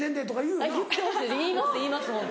言います